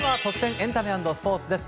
エンタメ＆スポーツです。